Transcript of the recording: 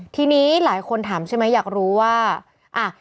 ทีนี้หลายคนถามใช่ไหมอยากรู้ว่าอ่ะ